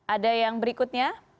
ada yang berikutnya